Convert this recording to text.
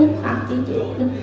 vị cáo linh đến phố